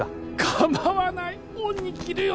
かまわない恩に着るよ